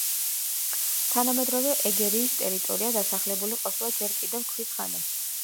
თანამედროვე ეგერის ტერიტორია დასახლებული ყოფილა ჯერ კიდევ ქვის ხანაში.